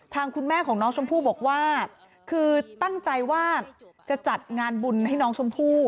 คุณแม่ของน้องชมพู่บอกว่าคือตั้งใจว่าจะจัดงานบุญให้น้องชมพู่